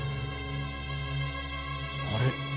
あれ？